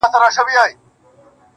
څو؛ د ژوند په دې زوال کي کړې بدل,